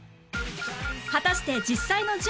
果たして実際の順位は？